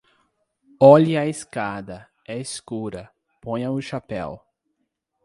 Olhe a escada, é escura; ponha o chapéu...